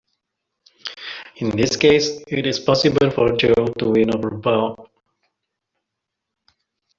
In this case, it is possible for Joe to win over Bob.